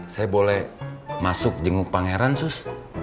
saya boleh masuk jenguk pangeran sus